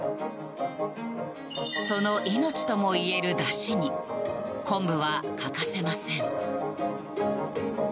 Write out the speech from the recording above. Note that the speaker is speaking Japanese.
その命ともいえるだしに昆布は欠かせません。